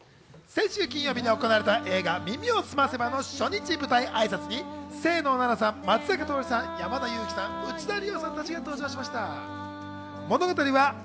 先週金曜日に行われた映画『耳をすませば』の初日舞台挨拶に、清野菜名さん、松坂桃李さん、山田裕貴さん、内田理央さんたちが登場しました。